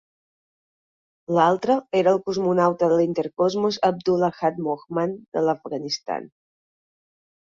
L'altre era el cosmonauta de l'Interkosmos Abdul Ahad Mohmand de l'Afganistan.